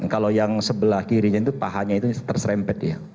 kalau yang sebelah kirinya itu pahanya itu terserempet dia